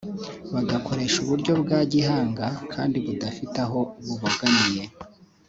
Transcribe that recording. bagakoresha uburyo bwa gihanga kandi budafite aho bubogamiye